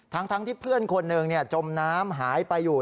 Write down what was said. ทั้งที่เพื่อนคนหนึ่งจมน้ำหายไปอยู่